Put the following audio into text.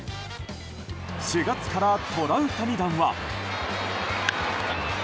４月からトラウタニ弾は。